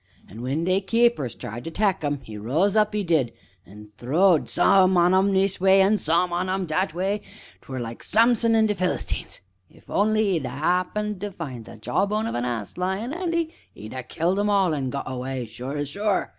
An' when they keepers tried to tak' 'im, 'e rose up, 'e did, an' throwed some on 'em this way an' some on 'em that way 'twere like Samson an' the Philistines; if only 'e'd 'appened to find the jaw bone of a ass lyin' 'andy, 'e'd ha' killed 'em all an' got away, sure as sure.